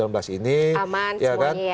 aman semuanya ya